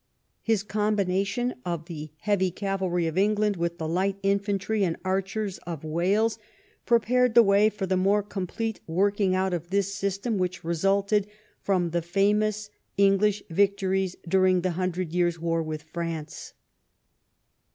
His combination of the heavy cavalry of England Avith the light infantry and archers of "VV^ales prepared the way for the more complete Avorking out of this system rv THE KING AND HIS WOEK 75 which resulted from the famous English victories during the Hundred Years' War with France.